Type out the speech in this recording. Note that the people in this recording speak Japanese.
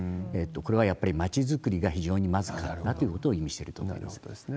これはやっぱり、街づくりが非常にまずかったということを意味していると思います。